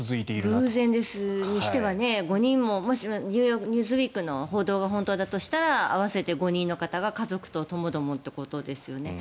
偶然にしては５人ももし、「ニューズウィーク」の報道が本当だとしたら合わせて５人の方々が家族ともどもということですね。